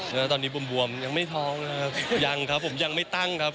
แล้วตอนนี้บวมยังไม่ท้องนะครับยังครับผมยังไม่ตั้งครับ